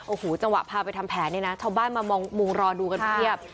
โอ้โหจังหวะพาไปทำแผนเนี่ยนะชาวบ้านมามองมุงรอดูกันเพียบ